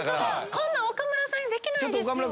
こんなん岡村さんにできないですよ。